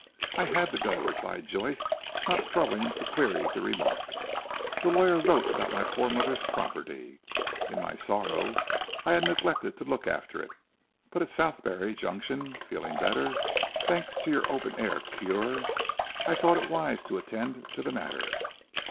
"I had to go," replied Joyce not troubling to query the remark. "The lawyer wrote about my poor mother's property. In my sorrow, I had neglected to look after it, but at Southberry Junction feeling better, thanks to your open air cure, I thought it wise to attend to the matter."